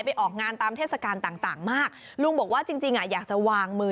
ออกงานตามเทศกาลต่างต่างมากลุงบอกว่าจริงจริงอ่ะอยากจะวางมือ